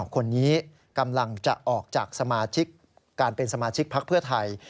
คนนี้กำลังจะออกจากสมาชิกการเป็นสมาชิกพักเพื่อไทย